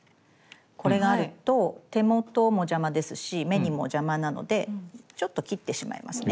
これがあると手元も邪魔ですし目にも邪魔なのでちょっと切ってしまいますね。